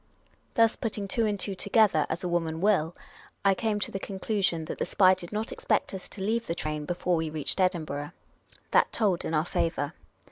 Thus, putting two and two together, as a woman will, I came to the conclusion that the spy did not expect us to leave the train before we reached Edinburgh. That told in our favour.